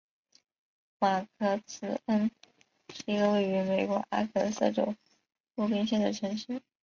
马格兹恩是一个位于美国阿肯色州洛根县的城市。